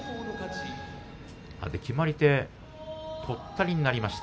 決まり手はとったりになりました。